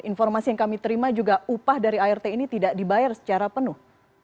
informasi yang kami terima juga upah dari art ini tidak dibayar secara penuh